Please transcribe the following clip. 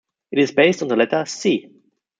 It is based on the letter "c".